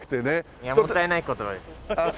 いやもったいない言葉です。